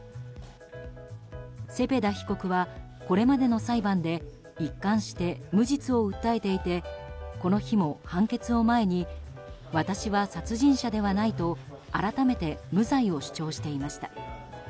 セペダ被告はこれまでの裁判で一貫して無実を訴えていてこの日も判決を前に私は殺人者ではないと改めて無罪を主張していました。